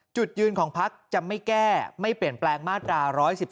จุดยืนของพักจะไม่แก้ไม่เปลี่ยนแปลงมาตรา๑๑๒